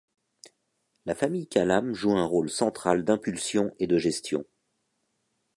La famille Calame joue un rôle central d'impulsion et de gestion.